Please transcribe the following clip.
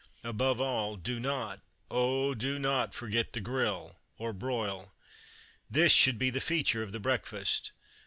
Above all, do not, oh! do not, forget the grill, or broil. This should be the feature of the breakfast.